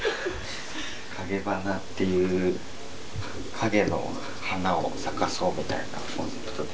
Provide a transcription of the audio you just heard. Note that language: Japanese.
影花っていう影の花を咲かそうみたいなコンセプトで作ろうと思ってます。